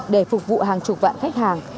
để phục vụ hàng chục vạn khách hàng